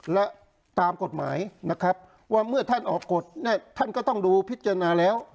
และตามกฎหมายนะครับว่าเมื่อท่านออกกฎเนี่ยท่านก็ต้องดูพิจารณาแล้ว